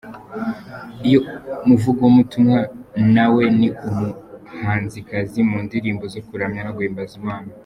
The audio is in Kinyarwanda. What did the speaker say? Uyu muvugabutumwa, nawe ni n’umuhanzikazi mu ndirimbo zo kuramya no guhimbaza Imana.